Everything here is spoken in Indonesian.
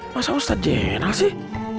masa ustadz jenal sih